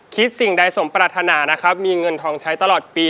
สิ่งใดสมปรารถนานะครับมีเงินทองใช้ตลอดปี